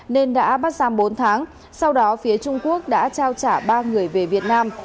nên đã bắt giam bốn tháng sau đó phía trung quốc đã trao trả ba người về việt nam